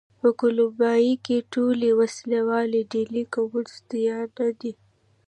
په کولمبیا کې ټولې وسله والې ډلې کمونېستان نه دي.